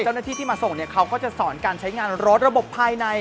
เจ้าหน้าที่ที่มาส่งเนี่ยเขาก็จะสอนการใช้งานรถระบบภายใน